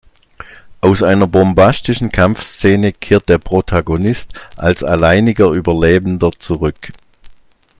Aus einer bombastischen Kampfszene kehrt der Protagonist als alleiniger Überlebender zurück.